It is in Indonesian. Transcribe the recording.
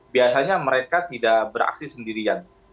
biasanya mereka tidak beraksi sendirian